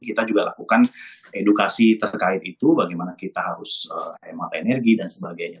kita juga lakukan edukasi terkait itu bagaimana kita harus hemat energi dan sebagainya